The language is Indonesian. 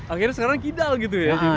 akhirnya sekarang kidal gitu ya